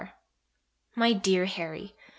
MY DEAR HARRY F.